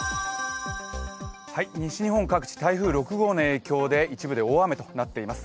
西日本各地台風６号の影響で一部で大雨となっています